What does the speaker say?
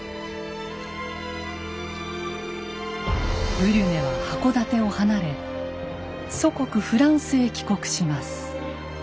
ブリュネは箱館を離れ祖国フランスへ帰国します。